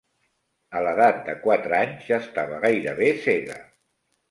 A l'edat de quatre anys ja estava gairebé cega.